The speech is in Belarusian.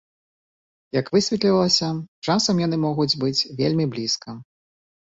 Як высветлілася, часам яны могуць быць вельмі блізка.